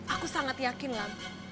aku sangat yakin lam